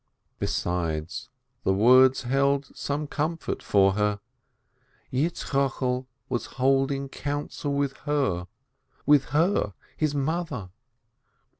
Besides, the words held some comfort for her : Yitzchokel was hold ing counsel with her, with her — his mother